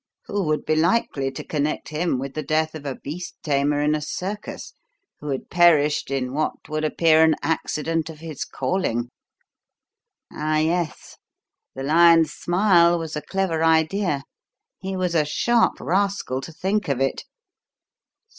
Who would be likely to connect him with the death of a beast tamer in a circus, who had perished in what would appear an accident of his calling? Ah, yes, the lion's smile was a clever idea he was a sharp rascal to think of it."